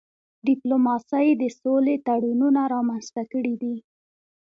ډيپلوماسی د سولي تړونونه رامنځته کړي دي.